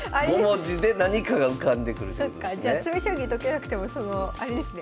そっかじゃあ詰将棋解けなくてもあれですね